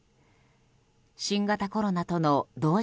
新型コロナとの同時